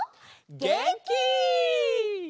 げんき！